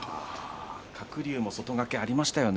鶴竜も外掛けが、ありましたね。